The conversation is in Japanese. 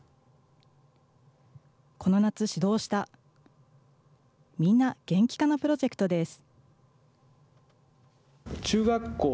この夏、始動したみんな元気かなプロジェクトです。